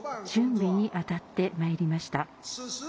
準備に当たってまいりました。